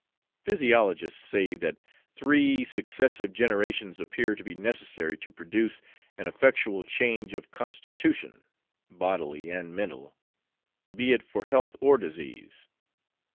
Physiologists say that three successive generations appear to be necessary to produce an effectual change of constitution (bodily and mental), be it for health or disease.